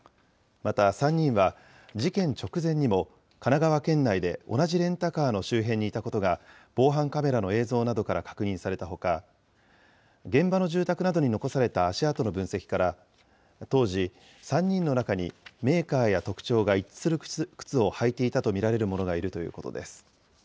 また、３人は事件直前にも、神奈川県内で同じレンタカーの周辺にいたことが、防犯カメラの映像などから確認されたほか、現場の住宅などに残された足跡の分析から、当時、３人の中にメーカーや特徴が一致する靴を履いていたと見られる者がいるということです。